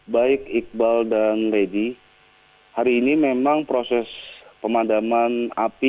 baik iqbal dan lady hari ini memang proses pemadaman api